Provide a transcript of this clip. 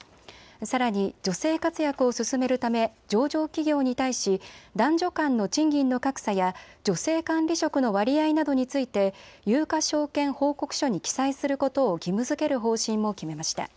さらに女性活躍を進めるため上場企業に対し男女間の賃金の格差や女性管理職の割合などについて有価証券報告書に記載することを義務づける方針も決めました。